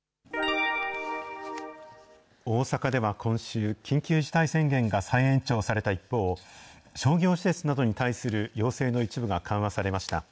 大阪では今週、緊急事態宣言が再延長された一方、商業施設などに対する要請の一部が緩和されました。